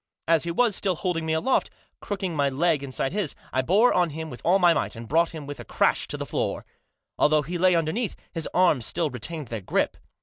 As he was still holding me aloft, crooking my leg inside his, I bore on him with all my might, and brought him with a crash to the floor. Although he lay underneath, his arms still retained their grip.